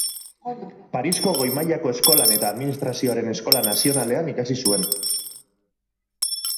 Parisko Goi Mailako Eskolan eta Administrazioaren Eskola Nazionalean ikasi zuen.